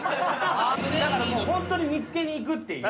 だからホントに見つけにいくっていう。